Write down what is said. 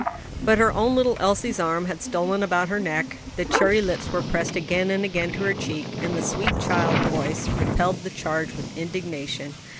But her own little Elsie's arm had stolen about her neck, the cherry lips were pressed again and again to her cheek, and the sweet child voice repelled the charge with indignation.